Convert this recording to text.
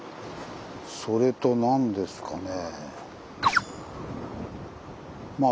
それと何ですかね。